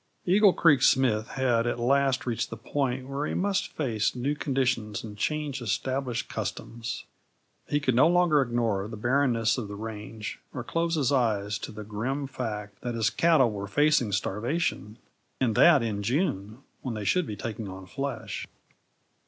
Eagle Creek Smith had at last reached the point where he must face new conditions and change established customs. He could no longer ignore the barrenness of the range, or close his eyes to the grim fact that his cattle were facing starvation and that in June, when they should be taking on flesh.